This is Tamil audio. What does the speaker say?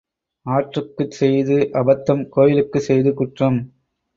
ஆற்றுக்குச் செய்து அபத்தம் கோயிலுக்குச் செய்து குற்றம்.